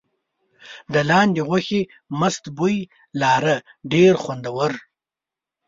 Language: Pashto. د لاندي غوښې مست بوی لاره ډېر خوندور.